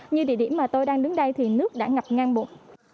như địa điểm mà tôi đang đứng đây thì nước đã ngập ngang bộ